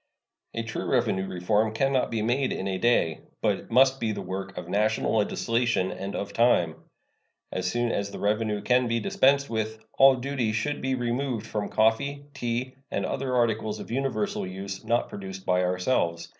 A true revenue reform can not be made in a day, but must be the work of national legislation and of time. As soon as the revenue can be dispensed with, all duty should be removed from coffee, tea and other articles of universal use not produced by ourselves.